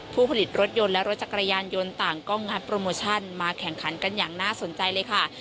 ผู้ผลิตรถยนต์และรถจักรยานยนต์ต่างก็งัดโปรโมชั่นมาแข่งขันกันอย่างน่าสนใจเลยค่ะ